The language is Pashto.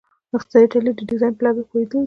اقتصادي تحلیل د ډیزاین په لګښت پوهیدل دي.